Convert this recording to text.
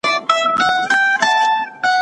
د دریاب په څیر اوسئ.